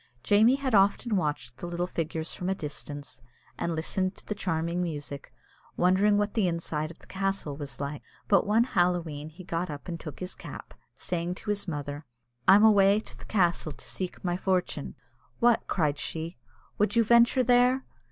Jamie had often watched the little figures from a distance, and listened to the charming music, wondering what the inside of the castle was like; but one Halloween he got up and took his cap, saying to his mother, "I'm awa' to the castle to seek my fortune." "What!" cried she, "would you venture there?